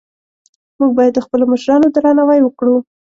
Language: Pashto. موږ باید د خپلو مشرانو درناوی وکړو